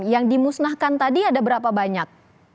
yang dimusnahkan tadi ada berapa banyak